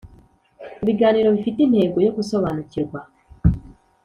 ibiganiro bifite intego yo gusobanukirwa